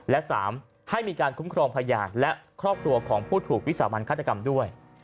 และ๓ให้มีการคุ้มครองพยานและครอบครัวของผู้ถูกวิสามันฆาตกรรมด้วย